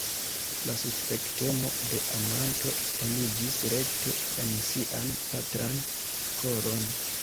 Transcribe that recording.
La suspektemo de amanto eniĝis rekte en sian patran koron.